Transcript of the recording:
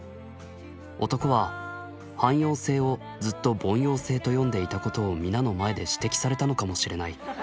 男は汎用性をずっと『ぼんようせい』と読んでいたことを皆の前で指摘されたのかもしれない。